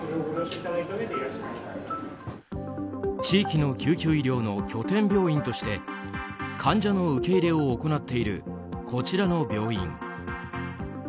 地域の救急医療の拠点病院として患者の受け入れを行っているこちらの病院。